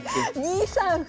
２三歩。